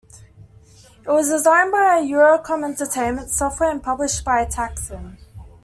It was designed by Eurocom Entertainment Software and published by Taxan.